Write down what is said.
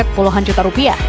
set puluhan juta rupiah